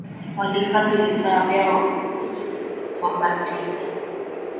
Walihifadhi vifaa vyao kabatini